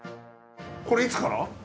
これいつから？